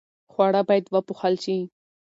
خواړه باید وپوښل شي.